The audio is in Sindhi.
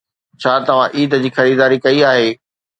ڇا توهان عيد جي خريداري ڪئي آهي؟